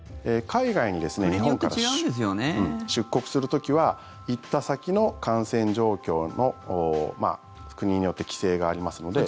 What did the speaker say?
海外に日本から出国する時は行った先の感染状況の国によって規制がありますので。